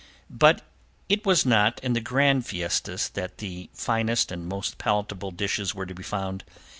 But it was not in the grand fiestas that the finest and most palatable dishes were to be found.